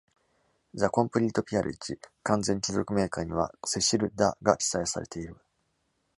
『The Complete Peerage（ 完全貴族名鑑）』には、「Cecil, da」が記載されている。